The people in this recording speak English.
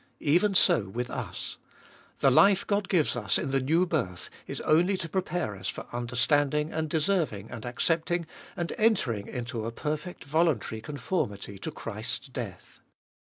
Even so with us. The life God gives us in the new birth is only to prepare us for understanding and deserving and accepting and entering into a perfect voluntary conformity to Christ's death.